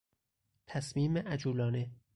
تصمیم عجولانه